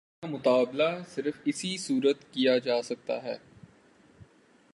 پابندی کا مطالبہ صرف اسی صورت میں کیا جا سکتا ہے۔